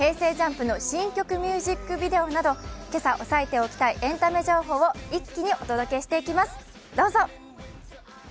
ＪＵＭＰの新曲ミュージックビデオなど今朝、抑えておきたいエンタメ情報を一気にお届けしていきます。